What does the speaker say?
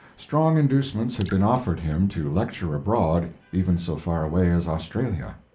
Strong inducements had been offered him to lecture abroad, even so far away as Australia.